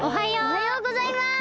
おはようございます。